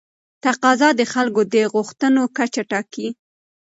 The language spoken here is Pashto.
تقاضا د خلکو د غوښتنو کچه ټاکي.